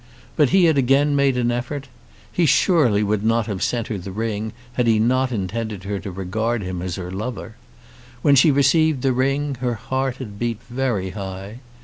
But he had again made an effort. He surely would not have sent her the ring had he not intended her to regard him as her lover. When she received the ring her heart had beat very high.